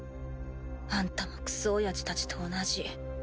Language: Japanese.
あんたもクソおやじたちと同じ。